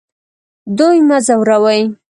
دوی مه ځوروئ